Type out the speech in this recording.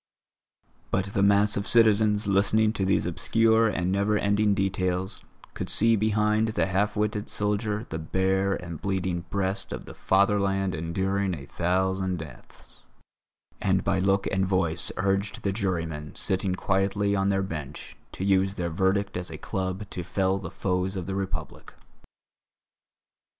But the mass of citizens listening to these obscure and never ending details could see behind the half witted soldier the bare and bleeding breast of the fatherland enduring a thousand deaths; and by look and voice urged the jurymen, sitting quietly on their bench, to use their verdict as a club to fell the foes of the Republic.